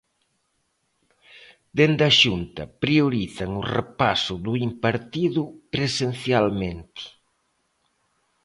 Dende a Xunta priorizan o repaso do impartido presencialmente.